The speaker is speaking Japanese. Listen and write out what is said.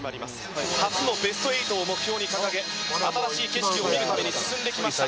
初のベスト８を目標に掲げ新しい景色を見るために進んできました。